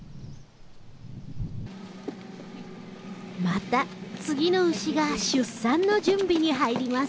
また次の牛が出産の準備に入ります。